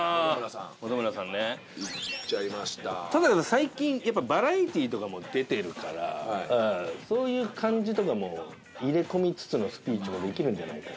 最近やっぱバラエティーとかも出てるからそういう感じとかも入れ込みつつのスピーチもできるんじゃないかと。